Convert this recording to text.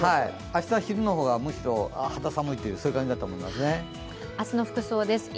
明日、昼の方がむしろ肌寒いという感じですね。